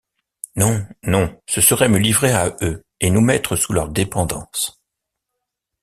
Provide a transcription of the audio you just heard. Non, non, ce serait me livrer à eux et nous mettre sous leur dépendance.